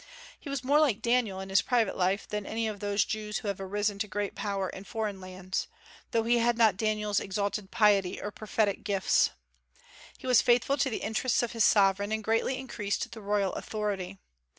He was more like Daniel in his private life than any of those Jews who have arisen to great power in foreign lands, though he had not Daniel's exalted piety or prophetic gifts. He was faithful to the interests of his sovereign, and greatly increased the royal authority.